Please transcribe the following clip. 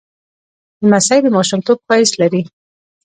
لمسی د ماشومتوب ښایست لري.